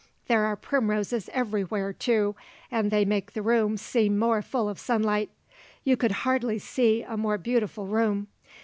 There are primroses everywhere, too, and they make the room seem more full of sunlight. You could hardly see a more beautiful room.